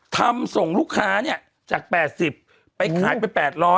ส่งลูกค้าเนี่ยจาก๘๐ไปขายไป๘๐๐